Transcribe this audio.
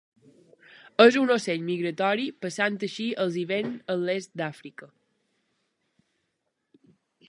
És un ocell migratori, passant així els hiverns en l'Est d'Àfrica.